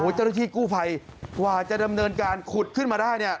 เจ้าหน้าที่กู้ภัยกว่าจะดำเนินการขุดขึ้นมาได้เนี่ย